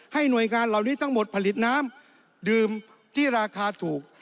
หน่วยงานเหล่านี้ทั้งหมดผลิตน้ำดื่มที่ราคาถูก